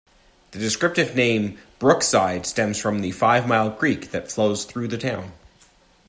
The descriptive name Brookside stems from the Five-Mile creek that flows through the town.